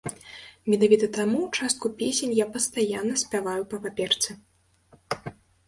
Менавіта таму частку песень я пастаянна спяваю па паперцы.